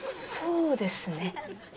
そうですね。